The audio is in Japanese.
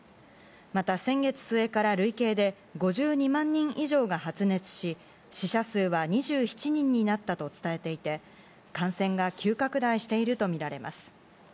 また先月末から累計で５２万人以上が発熱し、死者数は２７人になったと伝えていて、感染が急拡大しているとみられます。